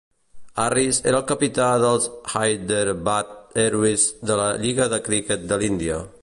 Harris era el capità dels Hyderabad Heroes de la lliga de cricket de l'Índia.